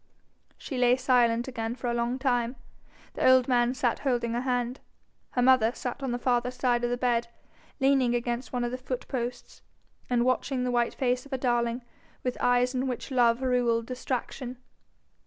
She lay silent again for a long time. The old man sat holding her hand; her mother sat on the farther side of the bed, leaning against one of the foot posts, and watching the white face of her darling with eyes in which love ruled distraction.